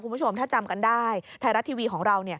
คุณผู้ชมถ้าจำกันได้ไทยรัฐทีวีของเรา